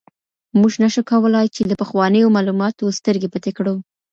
موږ نشو کولای چي له پخوانیو معلوماتو سترګې پټې کړو.